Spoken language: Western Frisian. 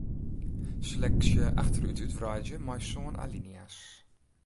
Seleksje achterút útwreidzje mei sân alinea's.